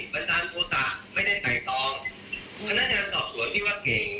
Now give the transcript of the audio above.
บันดาลโฟศาไม่ได้ตายตองอืมพนักงานสอบสวนดีว่าเก่ง